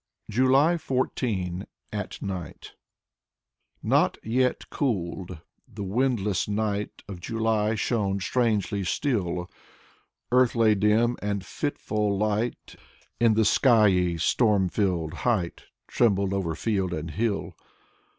28 Fyodor Tyutchev JULY 14, AT NIGHT Not yet cooled, the windless night Of July shone strangely still. Earth lay dim, and fitful light In the skyey, storm filled height Trembled over field and hill.